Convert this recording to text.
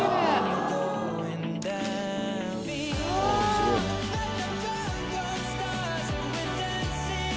すごいね。